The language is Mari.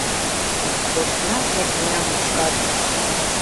«Коштна ме тӱня мучкат: